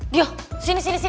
nih percaya sama ini nih